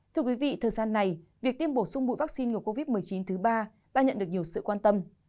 thưa quý vị thời gian này việc tiêm bổ sung bụi vaccine ngừa covid một mươi chín thứ ba đã nhận được nhiều sự quan tâm